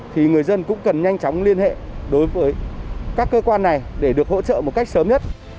thì người dân cũng cần nhanh chóng liên hệ đối với các cơ quan này để được hỗ trợ một cách sớm nhất